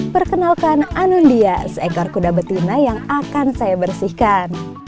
perkenalkan anundia seekor kuda betina yang akan saya bersihkan